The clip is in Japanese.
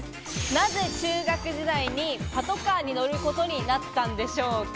なぜ中学時代にパトカーに乗ることになったんでしょうか？